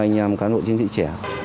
mình là một cán bộ chính sĩ trẻ